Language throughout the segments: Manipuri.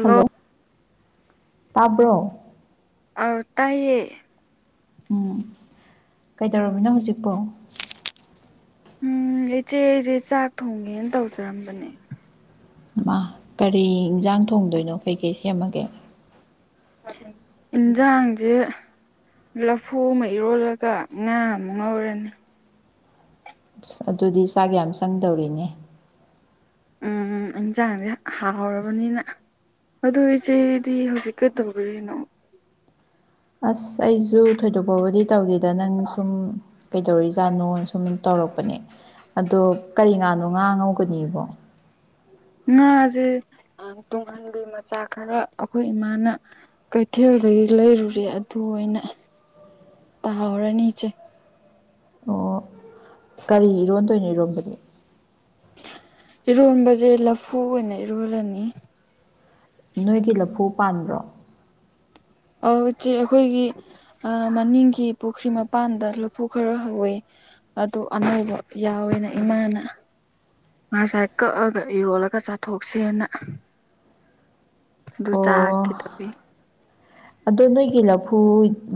ꯍꯜꯂꯣ ꯇꯥꯕ꯭ꯔꯣ? ꯑꯥꯎ ꯇꯥꯏꯌꯦ ꯑꯣ ꯀꯩꯗꯧꯔꯝꯃꯤꯅꯣ ꯍꯧꯖꯤꯛꯄꯣ? ꯎꯝ ꯏꯆꯦ ꯑꯩꯖꯦ ꯆꯥꯛ ꯊꯣꯡꯒꯦꯅ ꯇꯧꯖꯔꯝꯕꯅꯦ꯫ ꯏꯃꯥ ꯀꯔꯤ ꯏꯟꯖꯥꯡ ꯊꯣꯡꯗꯣꯏꯅꯣ ꯀꯩꯀꯩ ꯁꯦꯝꯃꯒꯦ? ꯏꯟꯖꯥꯡꯖꯦ ꯂꯐꯨ ꯑꯃ ꯏꯔꯣꯜꯂꯒ ꯉꯥ ꯑꯃ ꯉꯧꯔꯅꯤ꯫ ꯑꯁ ꯑꯗꯨꯗꯤ ꯆꯥꯛ ꯌꯥꯝ ꯆꯪꯗꯧꯔꯤꯅꯦ ꯎꯝ ꯏꯟꯖꯥꯡꯖꯦ ꯍꯥꯎꯔꯕꯅꯤꯅ ꯑꯗꯣ ꯏꯆꯦꯗꯤ ꯍꯧꯖꯤꯛ ꯀꯩ ꯇꯧꯕꯤꯔꯤꯅꯣ? ꯑꯁ ꯑꯩꯖꯨ ꯊꯣꯏꯗꯣꯛ ꯄꯕꯨꯗꯤ ꯇꯧꯗꯦꯗ ꯅꯪ ꯁꯨꯝ ꯀꯩꯗꯧꯔꯤꯖꯥꯠꯅꯣ ꯁꯨꯝ ꯇꯧꯔꯛꯄꯅꯦ ꯑꯗꯣ ꯀꯔꯤ ꯉꯥꯅꯣ ꯉꯥ ꯉꯧꯒꯅꯤꯕꯣ? ꯉꯥꯖꯦ ꯑ ꯇꯨꯡꯍꯟꯕꯤ ꯃꯆꯥ ꯈꯔ ꯑꯈꯣꯏ ꯏꯃꯥꯅ ꯀꯩꯊꯦꯜꯗꯒꯤ ꯂꯩꯔꯨꯔꯦ ꯑꯗꯨ ꯑꯣꯏꯅ ꯇꯥꯎꯔꯅꯤ ꯏꯆꯦ꯫ ꯑꯣ ꯀꯔꯤ ꯏꯔꯣꯟꯗꯣꯏꯅꯣ ꯏꯔꯣꯝꯕꯗꯤ? ꯏꯔꯣꯝꯕꯁꯦ ꯂꯐꯨ ꯑꯣꯏꯅ ꯏꯔꯣꯜꯂꯅꯤ꯫ ꯅꯣꯏꯒꯤ ꯂꯐꯨ ꯄꯥꯟꯕ꯭ꯔꯣ? ꯑꯧ ꯏꯆꯦ ꯑꯈꯣꯏꯒꯤ ꯑꯥ ꯃꯅꯤꯡꯒꯤ ꯄꯨꯈ꯭ꯔꯤ ꯃꯄꯥꯟꯗ ꯂꯐꯨ ꯈꯔ ꯍꯧꯋꯤ꯫ ꯑꯗꯨ ꯑꯅꯧꯕ ꯌꯥꯎꯋꯦꯅ ꯏꯃꯥꯅ ꯉꯁꯥꯏ ꯀꯛꯑꯒ ꯏꯔꯣꯜꯂꯒ ꯆꯥꯊꯣꯛꯁꯦꯅ ꯑꯗꯨ ꯆꯥꯛꯀꯦ ꯑꯣ ꯇꯧꯔꯤ ꯑꯗꯣ ꯅꯣꯏꯒꯤ ꯂꯐꯨ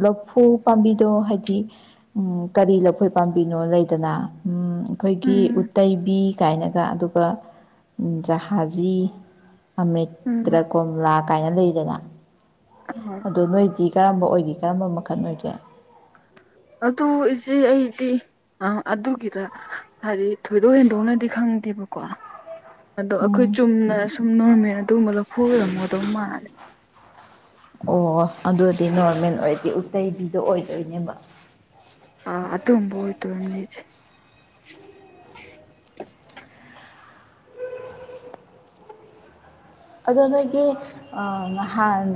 ꯂꯐꯨ ꯄꯥꯝꯕꯤꯗꯣ ꯍꯥꯏꯗꯤ ꯎꯝ ꯀꯔꯤ ꯂꯧꯐꯣꯏ ꯄꯥꯝꯕꯤꯅꯣ ꯂꯩꯗꯅ ꯎꯝ ꯈꯣꯏꯒꯤ ꯎꯝ ꯎꯠꯇꯩꯕꯤ ꯀꯥꯏꯅꯒ ꯑꯗꯨꯒ ꯖꯍꯥꯖꯤ ꯎꯝ ꯑꯃꯤꯇ꯭ꯔꯥ ꯀꯣꯝꯂꯥ ꯀꯥꯏꯅ ꯂꯩꯗꯅ [unintelligible] ꯑꯗꯣ ꯅꯣꯏꯗꯤ ꯀꯔꯝꯕ ꯑꯣꯏꯒꯦ ꯀꯔꯝꯕ ꯃꯈꯜ ꯑꯣꯏꯒꯦ? ꯑꯗꯣ ꯏꯆꯦ ꯑꯩꯗꯤ ꯑꯥ ꯑꯗꯨꯒꯤꯗ ꯍꯥꯏꯗꯤ ꯊꯣꯏꯗꯣꯛ ꯍꯦꯟꯗꯣꯛꯅꯗꯤ ꯈꯪꯗꯦꯕꯀꯣ ꯑꯗꯣ ꯑꯈꯣꯏ ꯎꯝ ꯆꯨꯝꯅ ꯁꯨꯝ ꯅꯣꯔꯃꯦꯜ ꯑꯗꯨꯒꯨꯝꯕ ꯂꯐꯨ ꯑꯣꯏꯔꯝꯒꯗꯧ ꯃꯥꯜꯂꯦ꯫ ꯑꯣ ꯑꯗꯨꯗꯤ ꯅꯣꯔꯃꯦꯜ ꯑꯣꯏꯔꯗꯤ ꯎꯇꯩꯒꯤꯗꯣ ꯑꯣꯏꯗꯣꯏꯅꯦꯕ꯫ ꯑꯥ ꯑꯗꯨꯝꯕ ꯑꯣꯏꯗꯣꯏꯅꯤ ꯏꯆꯦ꯫ ꯑꯗꯣ ꯅꯣꯏꯒꯤ ꯑꯥ ꯅꯍꯥꯟ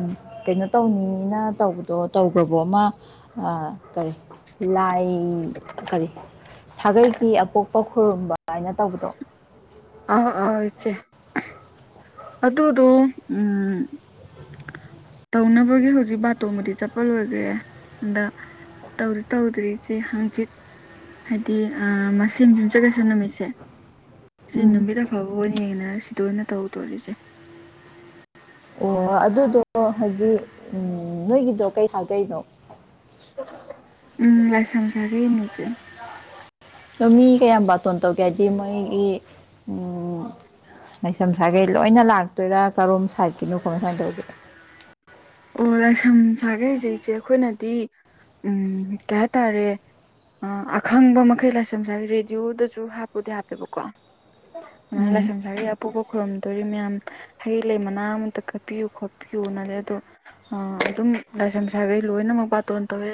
ꯀꯩꯅꯣ ꯇꯧꯅꯤꯅ ꯇꯧꯕꯗꯣ ꯇꯧꯒ꯭ꯔꯥꯕꯣ ꯑꯃ ꯑ ꯀꯔꯤ ꯂꯥꯏ ꯀꯔꯤ ꯁꯥꯒꯩꯒꯤ ꯑꯄꯣꯛꯄ ꯈꯨꯔꯨꯝꯕ ꯍꯥꯏꯅ ꯇꯧꯕꯗꯣ ꯑꯥ ꯑꯥ ꯏꯆꯦ ꯑꯗꯨꯗꯣ ꯎꯝ ꯇꯧꯅꯕꯒꯤ ꯍꯧꯖꯤꯛ ꯕꯥꯇꯣꯟꯕꯨꯗꯤ ꯆꯠꯄ ꯂꯣꯏꯒ꯭ꯔꯦ ꯑꯗꯥ ꯇꯧꯗꯤ ꯇꯧꯗ꯭ꯔꯤ ꯏꯆꯦ ꯍꯡꯆꯤꯠ ꯍꯥꯏꯗꯤ ꯑꯥ ꯃꯁꯦꯝ ꯡꯌꯨꯝꯖꯀꯩꯁꯥ ꯅꯨꯃꯤꯠꯁꯦ ꯁꯤ ꯎꯝ ꯅꯨꯃꯤꯠ ꯑꯐꯕ ꯑꯣꯏꯅ ꯌꯦꯡꯅꯔ ꯁꯤꯗ ꯑꯣꯏꯅ ꯇꯧꯗꯣꯔꯤꯁꯦ ꯑꯣ ꯑꯗꯨꯗꯣ ꯍꯥꯏꯗꯤ ꯎꯝ ꯅꯣꯏꯒꯤꯗꯣ ꯀꯩ ꯊꯥꯒꯩꯅꯣ ꯎꯝ ꯂꯥꯏꯁ꯭ꯔꯝ ꯁꯥꯒꯩꯅꯦ ꯏꯆꯦ ꯅ ꯃꯤ ꯀꯌꯥꯝ ꯕꯥꯇꯣꯟ ꯇꯧꯒꯦ ꯍꯥꯏꯗꯤ ꯃꯣꯏꯒꯤ ꯎꯝ ꯂꯥꯏꯁꯝ ꯁꯥꯒꯩ ꯂꯣꯏꯅ ꯂꯥꯛꯇꯣꯏꯔꯥ ꯀꯔꯣꯝ ꯁꯥꯏꯠꯀꯤꯅꯣ ꯀꯃꯥꯏ ꯀꯃꯥꯏ ꯇꯧꯒꯦ ꯑꯣ ꯂꯥꯏꯁꯝ ꯁꯥꯒꯩꯖꯦ ꯏꯆꯦ ꯈꯣꯏꯅꯗꯤ ꯎꯝ ꯀꯩ ꯍꯥꯏꯇꯥꯔꯦ ꯑꯥ ꯑꯈꯪꯕ ꯃꯈꯩ ꯂꯥꯏꯁꯝ ꯁꯥꯒꯩ ꯔꯦꯗꯤꯌꯣꯗꯖꯨ ꯍꯥꯞꯄꯨꯗꯤ ꯍꯥꯞꯄꯦꯕꯀꯣ [unintelligible] ꯎꯝ ꯂꯥꯏꯁꯝ ꯁꯥꯒꯩ ꯑꯄꯣꯛꯄ ꯈꯣꯔꯝꯗꯣꯔꯤ ꯃꯌꯥꯝ ꯍꯩ ꯂꯩ ꯃꯅꯥ ꯑꯃꯇ ꯀꯠꯄꯤꯌꯨ ꯈꯣꯠꯄꯤꯌꯨꯅ [unintelligible] ꯑꯥ ꯑꯗꯨꯝ ꯂꯥꯏꯁꯝ ꯁꯥꯒꯩ ꯂꯣꯏꯅꯃꯛ ꯕꯥꯇꯣꯟ ꯇꯧꯋꯦ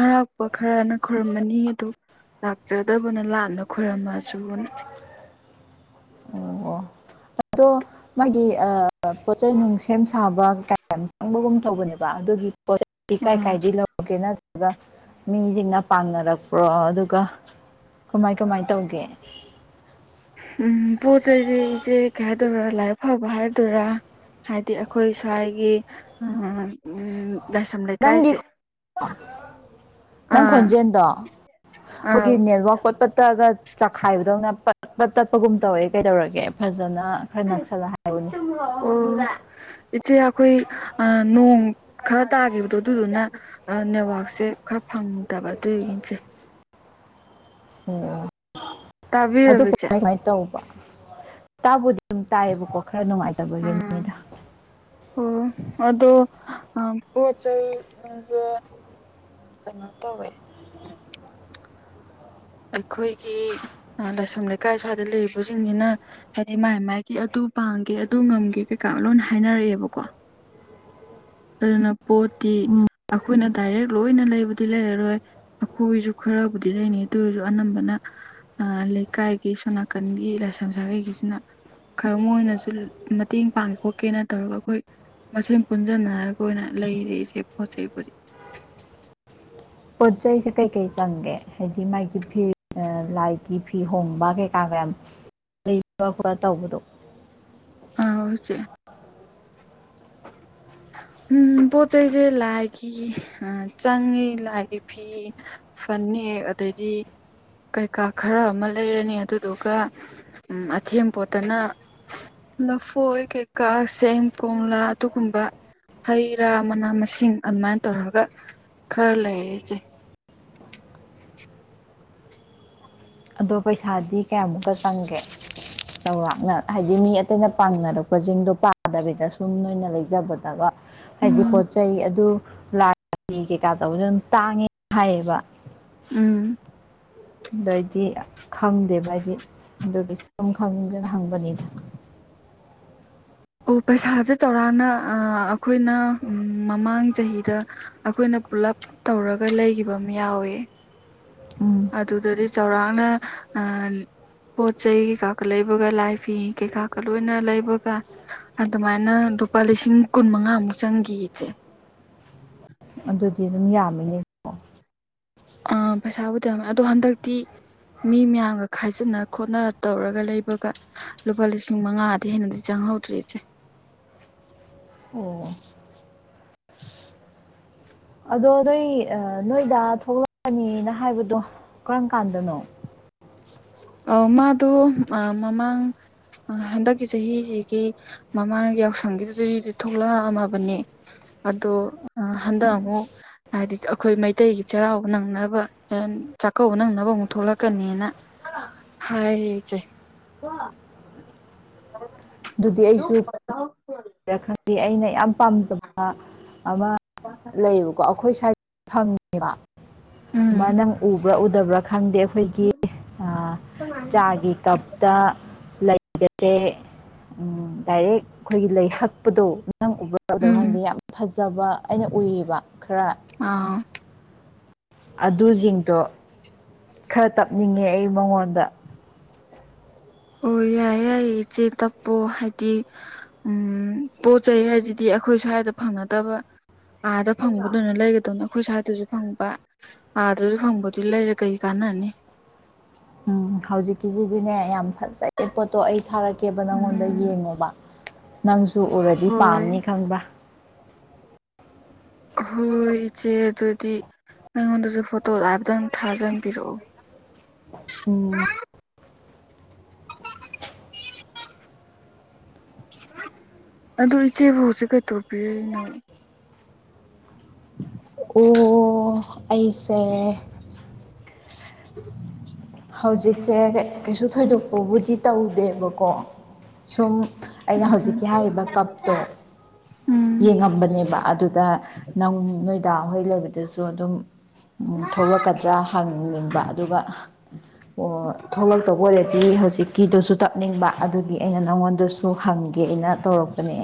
ꯑꯔꯥꯛꯄ ꯈꯔꯅ ꯈꯨꯔꯨꯝꯃꯅꯤ ꯑꯗꯨ ꯂꯥꯛꯆꯗꯕꯅ ꯂꯥꯠꯅ ꯈꯣꯏꯔꯝꯃꯁꯨꯅ ꯑꯣ ꯑꯗꯣ ꯅꯣꯏꯗꯤ ꯑꯥ ꯄꯣꯠꯆꯩ ꯅꯨꯡ ꯁꯦꯝ ꯁꯥꯕ ꯀꯩꯀ ꯌꯥꯝ ꯆꯪꯕꯒꯨꯝ ꯇꯧꯕꯅꯦꯕ ꯑꯗꯨꯒꯤ ꯄꯣꯠ [unintelligible] ꯑ ꯀꯥꯏ ꯀꯥꯏꯗꯩ ꯂꯧꯒꯦ ꯅꯠꯇ꯭ꯔꯒ ꯃꯤꯖꯤꯡꯅ ꯄꯥꯡꯅꯔꯛꯄ꯭ꯔꯣ ꯑꯗꯨꯒ ꯀꯃꯥꯏ ꯀꯃꯥꯏ ꯇꯧꯒꯦ ꯎꯝ ꯄꯣꯠ ꯆꯩꯖꯦ ꯏꯆꯦ ꯀꯩ ꯍꯥꯏꯗꯧꯔ ꯂꯥꯏꯕꯛ ꯐꯕ ꯍꯥꯏꯗꯣꯏꯔꯥ ꯍꯥꯏꯗꯤ ꯑꯈꯣꯏ ꯁ꯭ꯋꯥꯏꯒꯤ ꯑꯥ ꯎꯝ ꯅꯪꯒꯤ [unintelligible] ꯅꯪ ꯑꯥ ꯈꯣꯟꯖꯦꯟꯗꯣ ꯑꯥꯎ ꯈꯣꯏꯒꯤ ꯅꯦꯠꯋꯥꯛ ꯄꯠ ꯄꯠ ꯇꯑꯒꯠ ꯆꯛꯈꯥꯏꯕꯗꯧꯅ ꯄꯠ ꯄꯠ ꯇꯠꯄꯒꯨꯝ ꯇꯧꯋꯦ ꯀꯩꯗꯧꯔꯒꯦ ꯐꯖꯅ ꯈꯔ ꯅꯛꯁꯜꯂ ꯍꯥꯏ ꯎꯅꯦ ꯑꯣ ꯏꯆꯦ ꯑꯈꯣꯏ ꯑꯥ ꯅꯣꯡ ꯈꯔ ꯇꯥꯒꯤꯕꯗꯣ ꯑꯗꯨꯗꯨꯅ ꯑꯥ ꯅꯦꯋꯥꯛꯁꯦ ꯈꯔ ꯐꯪꯗꯕ ꯑꯗꯨꯒꯤꯟ ꯏꯆꯦ ꯑꯣ ꯑꯣ ꯑꯗꯨ [unintelligible] ꯇꯥꯕꯤꯔꯕ ꯏꯆꯦ ꯀꯃꯥꯏ ꯇꯧꯕ ꯇꯥꯕꯨꯗꯤ [unintelligible] ꯇꯥꯏꯑꯕꯀꯣ ꯈꯔ ꯑꯥ ꯅꯨꯉꯥꯏꯇꯕꯒꯤꯅꯤꯗ ꯑꯣ ꯑꯗꯣ ꯑꯥ ꯄꯣꯠꯆꯩ ꯅꯨꯡꯖꯦ ꯀꯩꯅꯣ ꯇꯧꯋꯦ ꯑꯩꯈꯣꯏꯒꯤ ꯑꯥ ꯂꯥꯏꯁꯝ ꯂꯩꯀꯥꯏ ꯁ꯭ꯋꯥꯏꯗ ꯂꯩꯔꯤꯕꯖꯤꯡꯖꯤꯅ ꯍꯥꯏꯗꯤ ꯃꯥꯏ ꯃꯥꯏꯒꯤ ꯑꯗꯨ ꯄꯥꯡꯒꯦ ꯑꯗꯨ ꯉꯝꯒꯦ ꯀꯩꯀꯥ ꯂꯣꯏꯅ ꯍꯥꯏꯅꯔꯦꯑꯦꯕꯀꯣ ꯑꯗꯨꯅ ꯄꯣꯠꯇꯤ ꯑꯈꯣꯏꯅ ꯗꯥꯏꯔꯦꯛ ꯂꯣꯏꯅ ꯂꯩꯕꯗꯤ ꯂꯩꯔꯔꯣꯏ ꯑꯈꯣꯏꯖꯨ ꯈꯔꯕꯨꯗꯤ ꯂꯩꯅꯤ ꯑꯗꯨꯑꯣꯏꯔꯖꯨ ꯑꯅꯝꯕꯅ ꯑ ꯂꯩꯀꯥꯏꯒꯤ ꯁꯣꯅꯥꯀꯟꯒꯤ ꯂꯥꯏꯁꯝ ꯁꯥꯒꯩꯒꯤꯁꯤꯅ ꯈꯔ ꯃꯣꯏꯅꯁꯨ ꯃꯇꯦꯡ ꯄꯥꯡꯒꯦ ꯈꯣꯀꯦꯅ ꯇꯧꯔꯒ ꯑꯈꯣꯏ ꯃꯁꯦꯟ ꯄꯨꯟꯖꯟꯅꯔ ꯑꯈꯣꯏꯅ ꯂꯩꯔꯦ ꯏꯆꯦ ꯄꯣꯠ ꯆꯩꯕꯨꯗꯤ ꯄꯣꯠ ꯆꯩꯩꯁꯦ ꯀꯩꯀꯩ ꯆꯪꯒꯦ ꯍꯥꯏꯗꯤ ꯃꯥꯒꯤ ꯐꯤ ꯑꯥ ꯂꯥꯏꯒꯤ ꯐꯤ ꯍꯣꯡꯕ ꯀꯩꯀꯥ ꯒꯌꯥꯝ ꯂꯩꯕ [unintelligible] ꯇꯧꯕꯗꯣ ꯑꯥꯎ ꯏꯆꯦ [unintelligible] ꯎꯝ ꯄꯣꯠ ꯆꯩꯖꯦ ꯂꯥꯏꯒꯤ ꯑꯥ ꯆꯪꯉꯤ ꯂꯥꯏꯒꯤ ꯐꯤ ꯐꯅꯦꯛ ꯑꯗꯩꯗꯤ ꯀꯩꯀꯥ ꯈꯔ ꯑꯃ ꯂꯩꯔꯅꯤ ꯑꯗꯨꯗꯨꯒ ꯎꯝ ꯑꯊꯦꯝꯄꯣꯠꯇꯅ ꯂꯐꯣꯏ ꯀꯩꯀꯥ ꯁꯦꯡ ꯀꯣꯝꯂꯥ ꯑꯇꯨꯒꯨꯝꯕ ꯍꯩ ꯔꯥ ꯃꯅꯥ ꯃꯁꯤꯡ ꯑꯟꯃꯥꯏ ꯇꯧꯔꯒ ꯈꯔ ꯂꯩꯔꯦ ꯏꯆꯦ ꯑꯗꯣ ꯄꯩꯁꯥꯗꯤ ꯀꯌꯥꯃꯨꯛꯀꯥ ꯆꯪꯒꯦ ꯆꯧꯔꯥꯛꯅ ꯍꯥꯏꯗꯤ ꯃꯤ ꯑꯇꯩꯅ ꯄꯥꯡꯅꯔꯛꯄ ꯖꯤꯡꯗꯣ ꯄꯥꯗꯕꯤꯗ ꯁꯨꯝ ꯅꯣꯏꯅ ꯂꯩꯖꯕꯗꯒ ꯍꯥꯏꯗꯤ ꯎꯝ ꯄꯣꯠꯆꯩꯩ ꯑꯗꯨ ꯂꯥꯏꯒꯤ ꯀꯩꯀꯥ ꯇꯧꯕꯖꯨ ꯑꯗꯨꯝ ꯇꯥꯡꯉꯦ ꯍꯥꯏ ꯑꯦꯕ꯫ ꯎꯝ ꯗ ꯑꯩꯗꯤ ꯈꯪꯗꯦꯕ ꯍꯥꯏꯗꯤ ꯑꯗꯨꯒꯤ ꯁꯨꯝ ꯈꯪꯅꯤꯡꯗꯅ ꯍꯪꯕꯅꯤꯗ꯫ ꯑꯣ ꯄꯩꯁꯥꯁꯦ ꯆꯥꯎꯔꯥꯛꯅ ꯑꯥ ꯑꯈꯣꯏꯅ ꯃꯃꯥꯡ ꯆꯍꯤꯗ ꯑꯈꯣꯏꯅ ꯄꯨꯂꯞ ꯇꯧꯔꯒ ꯂꯩꯒꯤꯕ ꯑꯃ ꯌꯥꯎꯋꯦ꯫ ꯎꯝ ꯑꯗꯨꯗꯗꯤ ꯆꯥꯎꯔꯥꯛꯅ ꯑ ꯄꯣꯠ ꯆꯩꯩ ꯀꯩꯀꯥꯀ ꯂꯩꯕꯒ ꯂꯥꯏ ꯐꯤ ꯀꯩꯀꯥꯀ ꯂꯣꯏꯅ ꯂꯩꯕꯒ ꯑꯗꯨꯃꯥꯏꯅ ꯂꯨꯄꯥ ꯂꯤꯁꯤꯡ ꯀꯨꯟ ꯃꯉꯥꯃꯨꯛ ꯆꯪꯒꯤ ꯏꯆꯦ꯫ ꯑꯗꯨꯗꯤ ꯑꯗꯨꯝ ꯌꯥꯝꯃꯤꯅꯦ꯫ ꯑꯥ ꯄꯩꯁꯥꯕꯨꯗꯤ ꯌꯥꯃꯦ ꯑꯗꯣ ꯍꯟꯗꯛꯇꯤ ꯃꯤ ꯃꯌꯥꯝꯒ ꯈꯥꯏꯖꯤꯟꯅ ꯈꯣꯠꯅꯔ ꯇꯧꯔꯒ ꯂꯩꯕꯒ ꯂꯨꯄꯥ ꯂꯤꯁꯤꯡ ꯃꯉꯥꯗꯩ ꯍꯦꯟꯅꯗꯤ ꯆꯪꯍꯧꯗ꯭ꯔꯦ ꯏꯆꯦ꯫ ꯑꯣ ꯑꯗꯣ ꯅꯣꯏ ꯑ ꯅꯣꯏꯗꯥ ꯊꯣꯛꯂꯛꯀꯅꯤꯅ ꯍꯥꯏꯕꯗꯣ ꯀꯔꯝ ꯀꯥꯟꯗꯅꯣ? ꯑ ꯃꯥꯗꯣ ꯑ ꯃꯃꯥꯡ ꯑ ꯍꯟꯗꯛꯀꯤ ꯆꯍꯤꯁꯤꯒꯤ ꯃꯃꯥꯡꯒꯤ ꯌꯥꯎꯁꯪꯒꯤꯗꯨꯗꯗꯤ ꯊꯣꯛꯂꯛꯑꯝꯃꯕꯅꯦ꯫ ꯑꯗꯣ ꯑ ꯍꯟꯗꯛ ꯑꯃꯨꯛ ꯍꯥꯏꯗꯤ ꯑꯈꯣꯏ ꯃꯩꯇꯩꯒꯤ ꯆꯩꯔꯥꯎꯕ ꯅꯪꯅꯕ ꯑꯦꯟ ꯆꯥꯛꯀꯧꯕ ꯅꯪꯅꯕ ꯑꯃꯨꯛ ꯊꯣꯛꯂꯛꯀꯅꯤꯅ ꯍꯥꯏꯔꯤ ꯏꯆꯦ [unintelligible] ꯗꯨꯗꯤ ꯑꯩꯁꯨ [unintelligible] [unintelligible] ꯈꯪꯗꯦ ꯑꯩꯅ ꯌꯥꯝ ꯄꯥꯝꯖꯕ ꯑꯃ ꯂꯩꯌꯦꯕꯀꯣ ꯑꯈꯣꯏ ꯁꯥꯏꯠ ꯐꯪ [unintelligible] ꯑꯦꯕ ꯗꯨꯃꯥꯢ ꯎꯝ ꯅꯪ ꯎꯕ꯭ꯔꯥ ꯎꯗꯕ꯭ꯔꯥ ꯈꯪꯗꯦ ꯑꯩꯈꯣꯏꯒꯤ ꯑ ꯆꯥꯒꯤ ꯀꯞꯇ ꯂꯩꯒꯁꯦ ꯎꯝ ꯗꯥꯏꯔꯦꯛ ꯈꯣꯏꯒꯤ ꯂꯩ ꯍꯛꯄꯗꯣ ꯅꯪ ꯎꯕ꯭ꯔꯥ ꯎꯗꯕ꯭ꯔꯥ ꯈꯪꯗꯦ ꯎꯝ ꯌꯥꯝ ꯐꯖꯕ ꯑꯩꯅ ꯎꯏꯌꯦꯕ ꯈꯔ ꯑꯥ ꯑꯗꯨꯁꯤꯡꯗꯣ ꯈꯔ ꯇꯞꯅꯤꯡꯉꯦ ꯑꯩ ꯃꯉꯣꯟꯗ꯫ ꯑꯣ ꯌꯥꯏꯌꯦ ꯌꯥꯏꯌꯦ ꯏꯆꯦ ꯇꯞꯄꯣ ꯍꯥꯏꯗꯤ ꯎꯝ ꯄꯣꯠ ꯆꯩ ꯍꯥꯏꯁꯤꯗꯤ ꯑꯩꯈꯣꯏ ꯁ꯭ꯋꯥꯏꯗ ꯐꯪꯅꯗꯕ ꯑꯥꯗ ꯐꯪꯕꯗꯨꯅ ꯂꯩꯒꯗꯧꯅꯤ ꯑꯈꯣꯏ ꯁ꯭ꯋꯥꯏꯗꯁꯨ ꯐꯪꯕ ꯑꯥꯗꯁꯨ ꯐꯪꯕꯗꯤ ꯂꯩꯔ ꯀꯩ ꯀꯥꯟꯅꯅꯤ꯫ ꯎꯝ ꯍꯧꯖꯤꯛꯀꯤꯖꯤꯗꯤꯅꯦ ꯌꯥꯝ ꯐꯖꯩ꯫ ꯑꯦ ꯄꯣꯠꯇꯣ ꯑꯩ ꯊꯥꯔꯛꯀꯦꯕ ꯅꯪꯉꯣꯟꯗ ꯌꯦꯡꯉꯣꯕ ꯅꯪꯁꯨ ꯎꯔ ꯗꯤ ꯍꯣꯏ ꯄꯥꯝꯅꯤ ꯈꯪꯕ꯭ꯔꯥ? ꯍꯣꯏ ꯏꯆꯦ ꯑꯗꯨꯗꯤ ꯑꯩꯉꯣꯟꯗꯖꯨ ꯐꯣꯇꯣꯗꯣ ꯍꯥꯏꯐꯦꯠꯇꯪ ꯊꯥꯖꯟꯕꯤꯔꯛꯑꯣ꯫ ꯎꯝ ꯑꯗꯨ ꯏꯆꯦꯕꯨ ꯍꯧꯖꯤꯛ ꯀꯩꯗꯧꯕꯤꯔꯤꯅꯣ? [inaudible] ꯑꯣ ꯑꯩꯁꯦ ꯍꯧꯖꯤꯛꯁꯦ ꯀꯩꯁꯨ ꯊꯣꯏꯗꯣꯛꯄꯕꯨꯗꯤ ꯇꯧꯗꯦꯕꯀꯣ꯫ ꯁꯨꯝ ꯑꯩꯅ ꯎꯝ ꯍꯧꯖꯤꯛꯀꯤ ꯍꯥꯏꯔꯤꯕ ꯀꯞꯇꯣ ꯎꯝ ꯌꯦꯡꯉꯝꯕꯅꯦꯕ ꯑꯗꯨꯗ ꯅꯪ ꯅꯣꯏꯗꯥꯍꯣꯏ ꯂꯩꯕꯗꯨꯖꯨ ꯑꯗꯨꯝ ꯎꯝ ꯊꯣꯛꯂꯛꯀꯗ꯭ꯔꯥ ꯍꯪꯅꯤꯡꯕ ꯑꯗꯨꯒ ꯑꯣ ꯊꯣꯛꯂꯛꯇꯧꯕ ꯑꯣꯏꯔꯗꯤ ꯍꯧꯖꯤꯛꯀꯤꯗꯨꯖꯨ ꯇꯞꯅꯤꯡꯕ ꯑꯗꯨꯒꯤ ꯑꯩꯅ ꯅꯪꯉꯣꯟꯗꯁꯨ ꯁꯨ ꯍꯪꯒꯦ ꯑꯩꯅꯥ ꯇꯧꯔꯛꯄꯅꯦ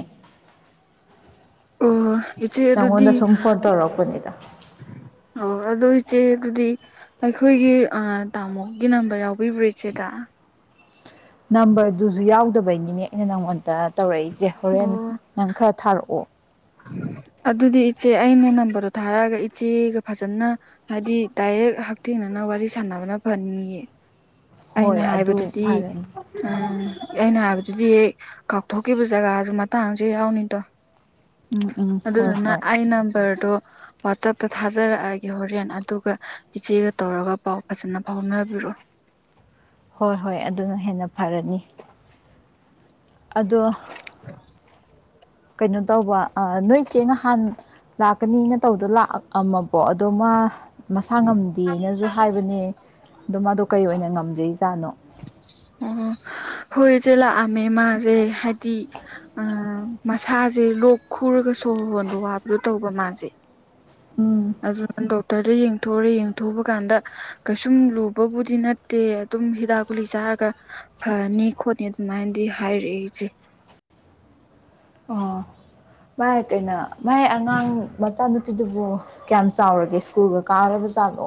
ꯑꯣ ꯏꯆꯦ ꯅꯪꯉꯣꯟꯗ ꯑꯗꯨꯗꯤ ꯁꯨꯝ ꯐꯣꯟ ꯇꯧꯔꯛꯄꯅꯤꯗ ꯑꯣ ꯑꯗꯨ ꯏꯆꯦ ꯑꯗꯨꯗꯤ ꯑꯩꯈꯣꯏꯒꯤ ꯑ ꯇꯥꯃꯣꯒꯤ ꯅꯝꯕꯔ ꯌꯥꯎꯕꯤꯕ꯭ꯔ ꯏꯆꯦꯗ ꯅꯝꯕꯔꯗꯨꯖꯨ ꯌꯥꯎꯗꯕꯒꯤꯅꯦ ꯑꯩꯅ ꯅꯪꯉꯣꯟꯗ ꯇꯧꯔꯛꯏꯖꯦ ꯍꯣꯔꯦꯟ ꯑꯣ ꯅꯪ ꯈꯔ ꯊꯥꯔꯛꯑꯣ ꯑꯗꯨꯗꯤ ꯏꯆꯦ ꯑꯩꯅ ꯅꯝꯕꯔꯗꯣ ꯊꯥꯔꯛꯑꯒ ꯏꯆꯦꯒ ꯐꯖꯅ ꯍꯥꯏꯗꯤ ꯗꯥꯏꯔꯦꯛ ꯍꯛꯊꯦꯡꯅꯅ ꯋꯥꯔꯤ ꯁꯥꯟꯅꯕꯅ ꯐꯅꯤꯌꯦ ꯑꯩꯅ ꯍꯣꯏ ꯑꯗꯨ ꯍꯥꯏꯕꯗꯨꯗꯤ ꯐꯔꯅꯤ ꯎꯝ ꯑꯩꯅ ꯍꯥꯏꯕꯗꯨꯗꯤ ꯍꯦꯛ ꯀꯥꯎꯊꯣꯛꯈꯤꯕ ꯖꯒꯖꯨ ꯃꯇꯥꯡꯖꯨ ꯍꯦꯛ ꯌꯥꯎꯅꯤꯗꯣ ꯎꯝ ꯎꯝ ꯍꯣꯏ ꯑꯗꯨꯗꯨꯅ ꯍꯣꯏ ꯑꯩ ꯅꯝꯕꯔꯗꯣ ꯋꯥꯆꯞꯇ ꯊꯥꯖꯔꯛꯑꯒꯦ ꯍꯣꯔꯦꯟ ꯑꯗꯨꯒ ꯏꯆꯦꯒ ꯇꯧꯔꯒ ꯄꯥꯎ ꯐꯖꯅ ꯐꯥꯎꯅꯕꯤꯔꯛꯑꯣ ꯍꯣꯏ ꯍꯣꯏ ꯑꯗꯨꯅ ꯍꯦꯟꯅ ꯐꯔꯅꯤ ꯑꯗꯣ [inaudible] ꯀꯩꯅꯣ ꯇꯧꯕ ꯑꯥ ꯅꯣꯏꯆꯦ ꯅꯍꯥꯟ ꯂꯥꯛꯀꯅꯤꯅ ꯇꯧꯗꯣ ꯂꯥꯛꯑꯝꯃꯕꯣ ꯑꯗꯣ ꯃꯥ ꯃꯁꯥ ꯉꯝꯗꯦꯅꯖꯨ ꯍꯥꯏꯕꯅꯦ ꯑꯗꯣ ꯃꯗꯣ ꯀꯩ ꯑꯣꯏꯅ ꯉꯝꯗꯔꯤꯖꯠꯅꯣ ꯑꯣ ꯍꯣꯏ ꯏꯆꯦ ꯂꯛꯑꯝꯃꯦ ꯃꯥ ꯖꯦ ꯍꯥꯏꯗꯤ ꯑꯥ ꯃꯁꯥꯖꯦ ꯂꯣꯛ ꯈꯨꯔꯒ ꯁꯣꯔ ꯍꯣꯟꯕ ꯋꯥꯕꯗꯣ ꯇꯧꯕ ꯃꯥꯖꯦ ꯎꯝ ꯑꯗꯨꯅ ꯗꯣꯛꯇꯔꯗ ꯌꯦꯡꯊꯣꯛꯔꯦ ꯌꯦꯡꯊꯣꯛ ꯎꯕ ꯀꯥꯟꯗ ꯀꯩꯁꯨꯝ ꯂꯨꯕꯕꯨꯗꯤ ꯅꯠꯇꯦ ꯑꯗꯨꯝ ꯍꯤꯗꯥꯛ ꯀꯨꯂꯤ ꯆꯥꯔꯒ ꯐꯅꯤ ꯈꯣꯠꯅꯤ ꯑꯗꯨꯃꯥꯏꯅꯗꯤ ꯍꯥꯏꯔꯛꯑꯦ ꯏꯆꯦ ꯑꯣ ꯃꯥꯥꯏ ꯀꯩꯅꯣ ꯃꯥꯏ ꯑꯉꯥꯡ ꯃꯆꯥꯅꯨꯄꯤꯗꯨꯕꯨ ꯀꯌꯥꯝ ꯆꯥꯎꯔꯒꯦ ꯁ꯭ꯀꯨꯜꯒ ꯀꯥꯔꯕꯆꯠꯂꯣ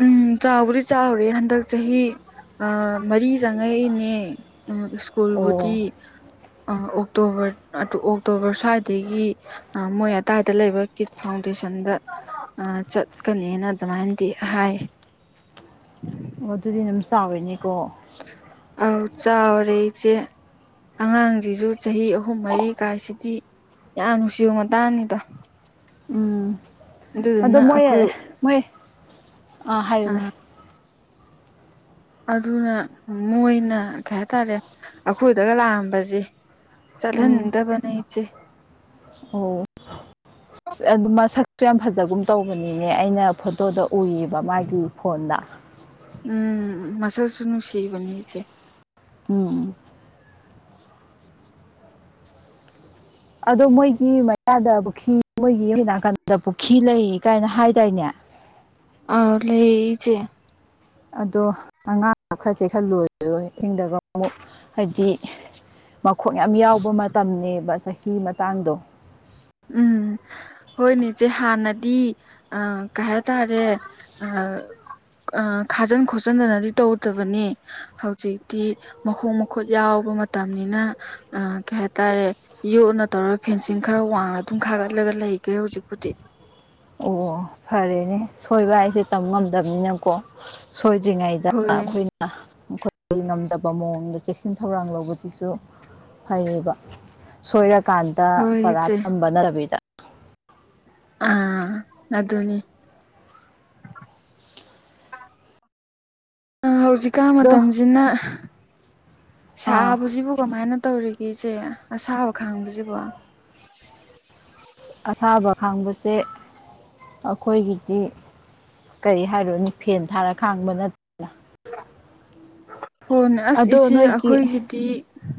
ꯎꯝ ꯆꯥꯎꯕꯨꯗꯤ ꯆꯥꯎꯔꯦ ꯍꯟꯗꯛ ꯆꯍꯤ ꯑꯥ ꯃꯔꯤ ꯆꯪꯉꯛꯏꯅꯦ ꯑꯥ ꯑꯣ ꯑꯣ ꯁ꯭ꯀꯨꯜꯕꯨꯗꯤ ꯑꯥ ꯑꯣꯛꯇꯣꯕꯔ ꯑꯣꯛꯇꯣꯕꯔ ꯁꯏ ꯑꯗꯒꯤ ꯑꯥ ꯃꯣꯏ ꯑꯗꯥꯏꯗ ꯂꯩꯕ ꯀꯤꯠ ꯐꯥꯎꯟꯗꯦꯁꯟꯗ ꯑꯥ ꯆꯠ ꯀꯅꯦꯅ ꯑꯗꯨꯃꯥꯏꯅꯗꯤ ꯍꯥꯏ ꯑꯣ ꯑꯗꯨꯗꯤ ꯑꯗꯨꯝ ꯆꯥꯎꯔꯦꯅꯦꯀꯣ ꯑꯥꯎ ꯆꯥꯎꯔꯦ ꯏꯆꯦ ꯑꯉꯥꯡꯖꯤꯖꯨ ꯆꯍꯤ ꯑꯍꯨꯝ ꯃꯔꯤ ꯀꯥꯏꯁꯤꯗꯤ ꯌꯥꯝ ꯅꯨꯡꯁꯤꯕ ꯃꯇꯥꯡꯅꯤꯗꯣ ꯎꯝ ꯑꯗꯣ ꯑꯗꯨꯗꯨꯅ ꯃꯣꯏ ꯑꯩꯈꯣꯏ ꯃꯣꯏ ꯑꯥ ꯍꯥꯏꯌꯨꯅꯦ ꯑꯗꯨꯅ ꯃꯣꯏꯅ ꯀꯩ ꯍꯥꯏꯇꯔꯦ ꯑꯈꯣꯏꯗꯒ ꯂꯥꯛꯑꯝꯕꯖꯦ ꯆꯠꯍꯟꯅꯤꯡꯗꯕꯅꯦ ꯏꯆꯦ ꯑꯧ ꯑꯗꯨ ꯃꯁꯛꯇꯨ ꯌꯥꯝ ꯐꯖꯒꯨꯝ ꯇꯧꯕꯅꯤꯅꯦ ꯑꯩꯅ ꯐꯣꯇꯣꯗ ꯎꯏꯌꯦꯕ ꯃꯥꯒꯤ ꯐꯣꯟꯗ ꯎꯝ ꯃꯁꯛꯁꯨ ꯅꯨꯡꯁꯤꯕꯅꯦ ꯏꯆꯦ ꯎꯝ ꯑꯗꯣ ꯃꯣꯏꯒꯤ ꯃꯌꯥꯗ ꯄꯨꯈꯔꯤ ꯃꯣꯏꯒꯤ ꯅꯥꯀꯟꯗ ꯄꯨꯈ꯭ꯔꯤ ꯂꯩ ꯀꯥꯏꯅ ꯍꯥꯏ ꯗꯥꯏꯅꯦ ꯑꯥ ꯂꯩ ꯏꯆꯦ ꯑꯗꯣ ꯑꯉꯥꯡ ꯈꯔꯁꯦ ꯈꯔ ꯂꯣꯏꯔꯣꯏ ꯏꯁꯤꯡꯗꯒ ꯑꯃꯨꯛ ꯍꯥꯏꯗꯤ ꯃꯈꯣꯡ ꯌꯥꯝ ꯌꯥꯎꯕ ꯃꯇꯝꯅꯦꯕ ꯆꯍꯤ ꯃꯇꯥꯡꯗꯣ ꯎꯝ ꯍꯣꯏꯅꯧ ꯏꯆꯦ ꯍꯥꯟꯅꯗꯤ ꯑ ꯀꯩ ꯍꯥꯏꯇꯥꯔꯦ ꯑ ꯈꯥꯖꯤꯟ ꯈꯣꯠꯆꯟꯗꯅꯗꯤ ꯇꯧꯗꯕꯅꯤ ꯍꯧꯖꯤꯛꯇꯤ ꯃꯈꯣꯡ ꯃꯈꯨꯠ ꯌꯥꯎꯕ ꯃꯇꯝꯅꯤꯅ ꯑ ꯀꯩ ꯍꯥꯏꯇꯥꯔꯦ ꯌꯣꯠꯅ ꯇꯧꯔꯒ ꯐꯦꯟꯁꯤꯡ ꯈꯔ ꯋꯥꯡꯅ ꯑꯗꯨꯝ ꯈꯥꯒꯠꯂꯒ ꯂꯩꯈ꯭ꯔꯦ ꯍꯧꯖꯤꯛꯄꯨꯗꯤ ꯑꯣ ꯐꯔꯦꯅꯦ ꯁꯣꯏꯕ ꯍꯥꯏꯁꯦ ꯇꯝ ꯉꯝꯗꯕꯅꯤꯅꯀꯣ ꯁꯣꯏꯗ꯭ꯔꯤꯉꯩꯗ ꯍꯣꯏ ꯑꯩꯈꯣꯏ ꯃꯈꯣꯏꯒꯤ ꯉꯝꯖꯕ ꯃꯑꯣꯡꯗ ꯆꯦꯛꯁꯤꯟ ꯊꯧꯔꯥꯡ ꯂꯧꯕꯁꯤꯁꯨ ꯐꯩꯌꯦꯕ ꯁꯣꯏꯔꯀꯥꯟꯗ ꯍꯣꯏ ꯄꯔꯥ ꯏꯆꯦ ꯇꯝꯕ ꯅꯠꯇꯕꯤꯗ ꯑꯥ ꯑꯗꯨꯅꯦ ꯍꯧꯖꯤꯛꯀꯥꯟ ꯑꯗꯣ ꯃꯇꯝꯁꯤꯅ ꯑꯥ ꯁꯥꯕꯁꯤꯕꯨ ꯀꯃꯥꯏꯅ ꯇꯧꯔꯤꯒꯦ ꯏꯆꯦ ꯑꯁꯥꯕ ꯈꯥꯡꯕꯁꯤꯕꯣ ꯑꯁꯥꯕ ꯈꯥꯡꯕꯁꯦ ꯑꯩꯈꯣꯏꯒꯤꯗꯤ ꯀꯔꯤ ꯍꯥꯏꯔꯨꯅꯤ ꯐꯦꯟ ꯊꯥꯔ ꯈꯥꯡꯕ ꯅꯠꯇꯅ ꯍꯣꯏꯅꯦ ꯑꯁ ꯑꯗꯣ ꯏꯆꯦ ꯅꯣꯏꯒꯤ ꯑꯩꯈꯣꯏꯒꯤꯗꯤ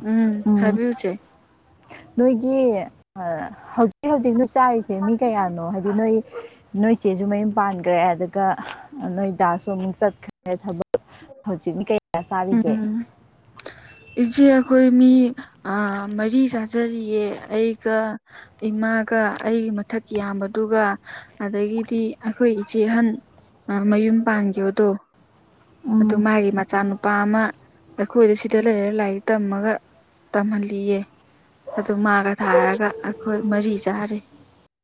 ꯎꯝ ꯍꯥꯏꯕꯤꯌꯨ ꯢꯆꯦ ꯅꯣꯏꯒꯤ ꯍꯧꯖꯤꯛ ꯍꯧꯖꯤꯛ ꯅꯣꯏ ꯆꯥꯔꯤꯁꯦ ꯃꯤ ꯀꯌꯥꯅꯣ ꯍꯥꯏ ꯅꯣꯏ ꯅꯣꯏ ꯆꯦꯁꯨ ꯃꯌꯨꯝ ꯄꯥꯟꯈ꯭ꯔꯦ ꯑꯗꯨꯒ ꯅꯣꯏ ꯗꯥꯁꯨ ꯑꯃꯨꯛ ꯆꯠꯈ꯭ꯔꯦ ꯊꯕꯛ ꯍꯧꯖꯤꯛꯇꯥ ꯀꯩꯌꯥ ꯆꯥꯔꯤꯒꯦ ꯎꯝ ꯏꯆꯦ ꯑꯩꯈꯣꯏ ꯃꯤ ꯃꯔꯤ ꯆꯥꯖꯔꯤꯌꯦ ꯑꯩꯒ ꯏꯃꯥꯒ ꯑꯩꯒꯤ ꯃꯊꯛꯒꯤ ꯏꯌꯥꯝꯕꯗꯨꯒ ꯑꯗꯒꯤꯗꯤ ꯑꯩꯈꯣꯏ ꯏꯆꯦ ꯑꯍꯟ ꯃꯌꯨꯝ ꯄꯥꯟꯈꯤꯕꯗꯣ ꯑꯗꯨ ꯎꯝ ꯃꯥꯒꯤ ꯃꯆꯥꯅꯨꯄꯥ ꯑꯃ ꯑꯩꯈꯣꯏꯗ ꯁꯤꯗ ꯂꯩꯔꯒ ꯂꯥꯏꯔꯤꯛ ꯇꯝꯃꯒ ꯇꯝꯍꯜꯂꯤꯌꯦ ꯑꯗꯨ ꯃꯥꯒ ꯊꯥꯔꯒ ꯑꯩꯈꯣꯏ ꯃꯔꯤ ꯆꯥꯔꯤ